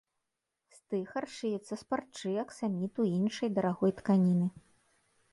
Стыхар шыецца з парчы, аксаміту і іншай дарагой тканіны.